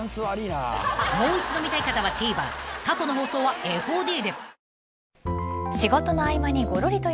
［もう一度見たい方はＴＶｅｒ過去の放送はＦＯＤで］